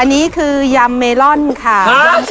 อันนี้คือยำเมลอนค่ะ